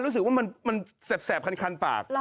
รู้สึกว่ามันแสบคันปาก